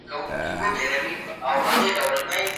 د خاوند او ميرمني تر منځ شخړه نه ده ليدل سوې.